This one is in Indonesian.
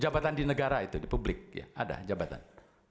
jabatan di negara itu di publik ya ada jabatan